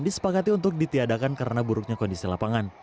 disepakati untuk ditiadakan karena buruknya kondisi lapangan